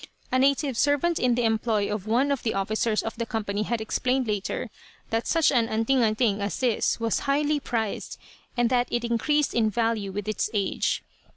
A native servant in the employ of one of the officers of the company had explained later that such an "anting anting" as this was highly prized, and that it increased in value with its age.